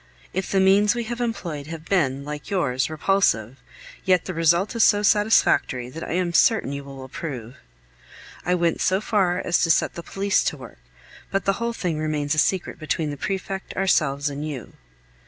If the means we have employed have been, like yours, repulsive, yet the result is so satisfactory that I am certain you will approve. I went so far as to set the police to work, but the whole thing remains a secret between the prefect, ourselves and you.